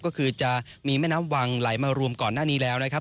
ก็คือจะมีแม่น้ำวังไหลมารวมก่อนหน้านี้แล้วนะครับ